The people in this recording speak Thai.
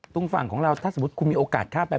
ตรงฝั่งของเราถ้าสมมุติคุณมีโอกาสข้ามไป